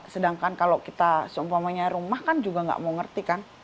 sedangkan kalau kita seumpamanya rumah kan juga nggak mau ngerti kan